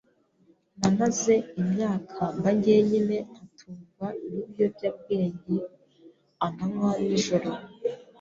Namaze imyaka mba jyenyine, nkatungwa n’ibiyobyabwenge amanywa n’ijoro.